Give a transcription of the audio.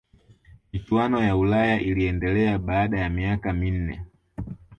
michuano ya ulaya iliendelea baada ya miaka minne